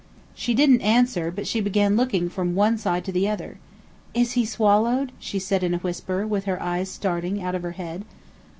She didn't answer, but began looking from one side to the other. "Is he swallowed?" said she in a whisper, with her eyes starting out of her head.